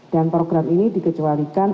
dan program ini dikecualikan